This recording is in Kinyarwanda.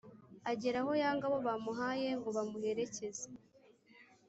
agera aho yanga abo bamuhaye ngo bamuherekeze